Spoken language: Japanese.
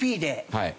はい。